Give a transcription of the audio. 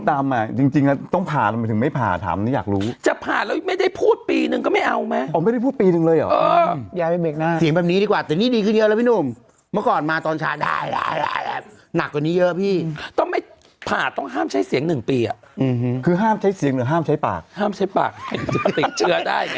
อันนี้ก็ดีขึ้นแล้วเดี๋ยวนี้สั่งไข่อีกรอบสองรอบก็ดีแล้วอะหมด